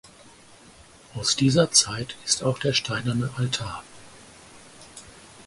Aus dieser Zeit ist auch der steinerne Altar.